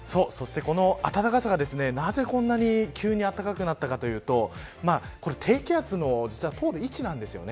そして、この暖かさがなぜこんなに急に暖かくなったかというと低気圧の通る位置なんです。